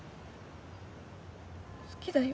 好きだよ。